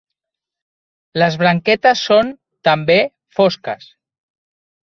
Les branquetes són, també, fosques.